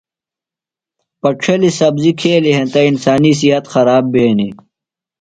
پڇھلیۡ سبزیۡ کھیلیۡ ہینتہ انسانیۡ صحت خراب بھینیۡ۔